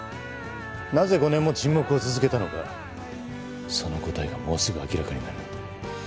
なぜ５年も沈黙を続けたのかその答えがもうすぐ明らかになる。